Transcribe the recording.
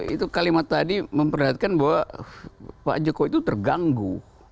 itu kalimat tadi memperhatikan bahwa pak jokowi itu terganggu